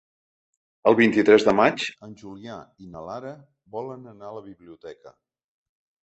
El vint-i-tres de maig en Julià i na Lara volen anar a la biblioteca.